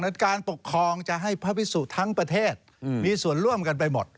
การปกครองจะให้พระพิสุทั้งประเทศมีส่วนร่วมกันไปหมด